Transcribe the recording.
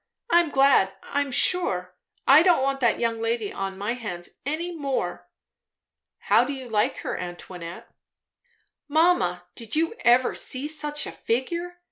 I'm glad, I'm sure. I don't want that young lady on my hands any more." "How do you like her, Antoinette?" "Mamma, did you ever see such a figure?